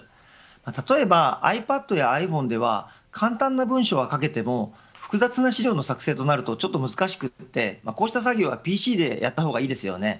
例えば、ｉＰａｄやｉＰｈｏｎｅでは簡単な文章は書けても複雑な資料の作成となるとちょっと難しくてこうした作業はＰＣでやった方がいいですよね。